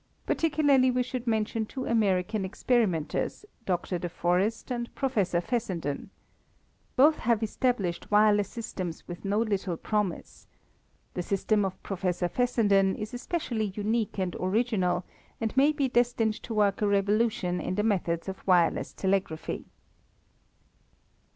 Particularly we should mention two American experimenters, Dr. de Forest and Professor Fessenden. Both have established wireless systems with no little promise. The system of Professor Fessenden is especially unique and original and may be destined to work a revolution in the methods of wireless telegraphy.